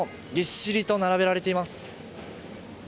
ぎっしりと並べられています。